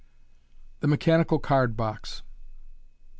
The Mechanical Card box.